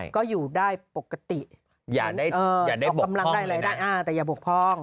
ก็อยู่ได้ปกติออกกำลังได้อะไรได้แต่อย่าบกพ่อง